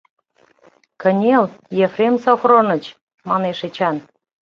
— Кынел, Ефрем Софроныч! — манеш Эчан.